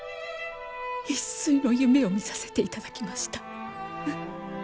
一炊の夢を見させて頂きました。